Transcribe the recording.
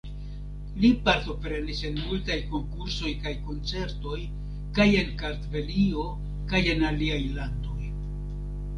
Li partoprenis en multaj konkursoj kaj koncertoj kaj en Kartvelio kaj en aliaj landoj.